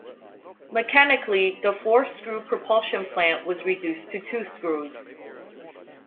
Mechanically, the four screw propulsion plant was reduced to two screws.